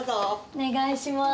お願いします。